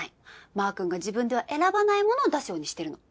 マー君が自分では選ばないものを出すようにしてるの。